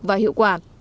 và hiệu quả